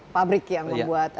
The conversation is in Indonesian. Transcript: pabrik yang membuat